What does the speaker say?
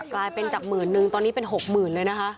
กลายเป็นจากหมื่นนึงตอนนี้เป็น๖๐๐๐เลยนะคะ